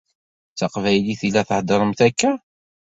D taqbaylit i la theddṛemt akka?